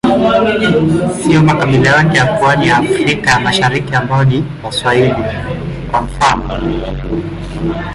Siyo makabila yote ya pwani ya Afrika ya Mashariki ambao ni Waswahili, kwa mfano.